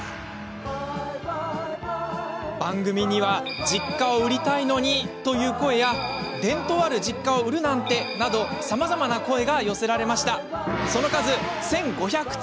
番組には実家を売りたいのに、という声や伝統ある実家を売るなんて！などさまざまな声が寄せられました。